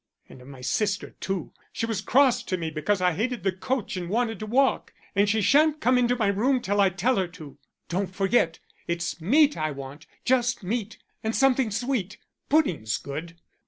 And of my sister too. She was cross to me because I hated the coach and wanted to walk, and she shan't come into my room till I tell her to. Don't forget; it's meat I want, just meat and something sweet. Pudding's good."